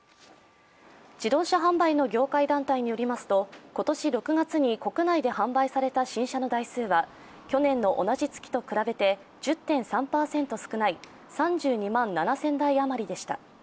自動車販売の業界団体によりますと、今年６月に国内で販売された新車の台数は去年の同じ月と比べて１０．３％少ない３２万７０００台余りでした。